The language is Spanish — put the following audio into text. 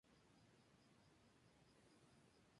Está bajo la responsabilidad pastoral del obispo Cornelius Sim.